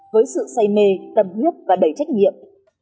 với sự say mê tâm huyết và đầy trách nhiệm